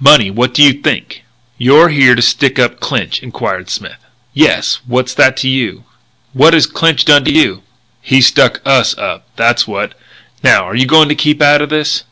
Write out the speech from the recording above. "Money. What do you think?" "You're here to stick up Clinch?" enquired Smith. "Yes. What's that to you?" "What has Clinch done to you?" "He stuck us up, that's what! Now, are you going to keep out of this?"